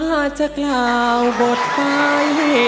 มาจากราวบทไทย